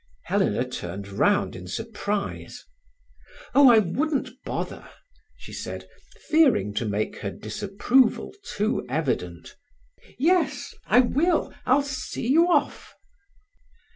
Helena turned round in surprise. "Oh, I wouldn't bother," she said, fearing to make her disapproval too evident. "Yes—I will—I'll see you off."